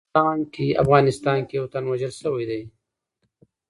افغانستان کې یو تن وژل شوی دی